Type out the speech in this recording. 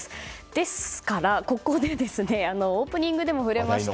ですから、ここでオープニングでも触れました